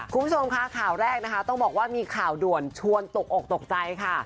คุณผู้ชมค่ะข่าวแรกนะคะต้องบอกว่ามีข่าวด่วนชวนตกอกตกใจค่ะ